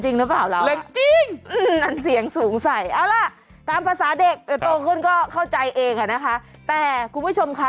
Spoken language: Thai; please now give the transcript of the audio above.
จริงรึเปล่าเราไม่สนจริงรึเปล่า